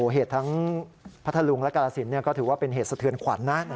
เหตุทั้งพัทธลุงและกาลสินก็ถือว่าเป็นเหตุสะเทือนขวัญนะ